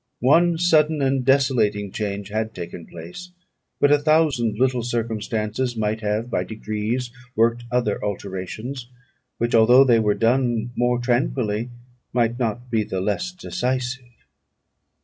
One sudden and desolating change had taken place; but a thousand little circumstances might have by degrees worked other alterations, which, although they were done more tranquilly, might not be the less decisive.